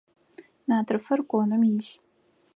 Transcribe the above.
Натрыфыр коным илъ.